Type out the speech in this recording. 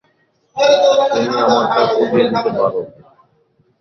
তুমি আমারটা গুটিয়ে দিতে পারো।